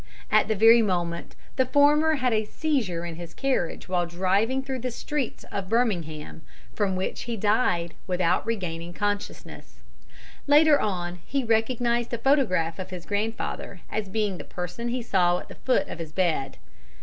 At the very moment, the former had a seizure in his carriage while driving through the streets of Birmingham, from which he died without regaining consciousness; later on he recognized a photograph of his grandfather as being the person he saw at the foot of his bed.